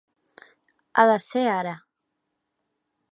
Ha de ser ara.